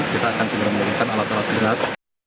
kita akan segera menggunakan alat alat tersebut